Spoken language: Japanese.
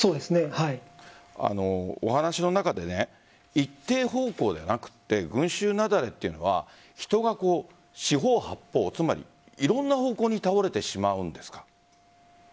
お話の中で一定方向ではなくて群集雪崩というのは人が四方八方つまりいろんな方向に倒れてしまうんですか？